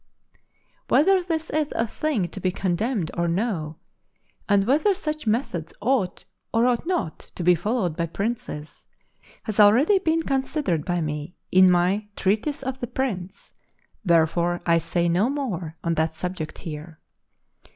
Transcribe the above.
Whether this is a thing to be commended or no, and whether such methods ought or ought not to be followed by princes, has already been considered by me in my "Treatise of the Prince" wherefore I say no more on that subject here.